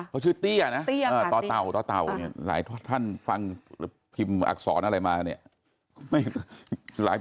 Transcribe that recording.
เขาชื่อเตี้ยนะต่อเต่าหลายท่านฟังพิมพ์อักษรอะไรมาเนี่ย